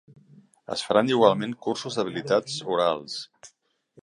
Es faran igualment, cursos d’habilitats orals.